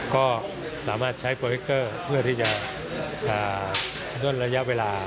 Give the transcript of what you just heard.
ก็สามารถใช้โปรวิคเกอร์เพื่อที่จะลดระยะเวลา